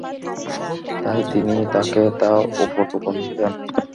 তাই তিনি তাঁকে তা উপঢৌকন দিলেন।